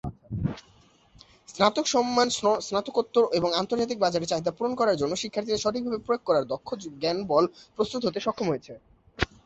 স্নাতক সম্মান, স্নাতকোত্তর এবং আন্তর্জাতিক বাজারের চাহিদার পূরণ করার জন্য শিক্ষার্থীদের সঠিকভাবে প্রয়োগ করার দক্ষ জনবল প্রস্তুত হতে সক্ষম হয়েছে।